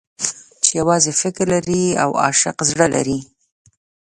چې يوازې فکر لري او عاشق زړه لري.